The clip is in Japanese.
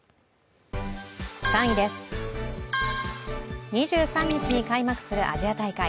３位です、２３日に開幕するアジア大会。